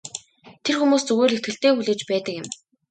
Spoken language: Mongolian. Тэр хүмүүс зүгээр л итгэлтэй хүлээж байдаг юм.